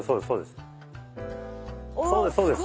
そうです